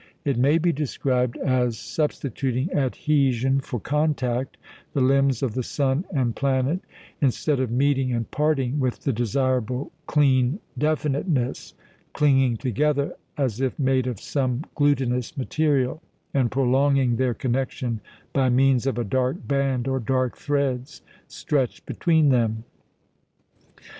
It may be described as substituting adhesion for contact, the limbs of the sun and planet, instead of meeting and parting with the desirable clean definiteness, clinging together as if made of some glutinous material, and prolonging their connection by means of a dark band or dark threads stretched between them.